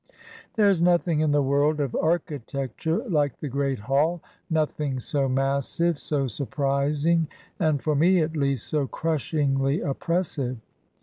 There is nothing in the world of architecture like the Great Hall; nothing so massive, so surprising, and, for me, at least, so crushingly oppressive.